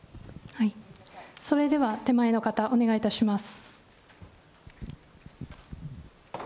それでは手前の方、お願いいたします。